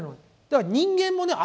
だから人間もね